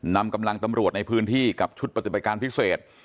นำกำลังตำรวจในพื้นที่กับชุดปฏิบัติการพิเศษ